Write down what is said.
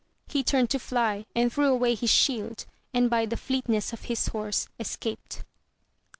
He turned to fly, and threw away his shield, and by the fleetness of his horse escaped.